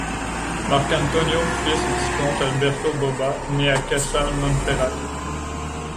Marcantonio fils du comte Alberto Bobba nait à Casale Monferrato.